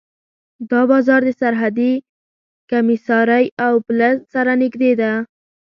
دا بازار د سرحدي کمېسارۍ او پله سره نږدې و.